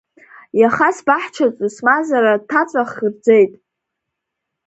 Иаха сбаҳчаҿы смазара ҭаҵәах рӡеит.